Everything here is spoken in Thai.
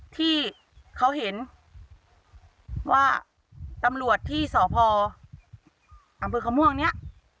ที่เขาเห็นว่าตำรวจที่สพอำเภอเขาม่วงเนี่ย